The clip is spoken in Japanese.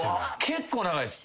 結構長いっす。